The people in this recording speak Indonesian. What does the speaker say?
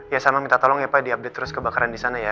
ya sama minta tolong ya pak diupdate terus kebakaran disana ya